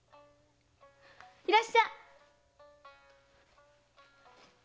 いらっしゃ！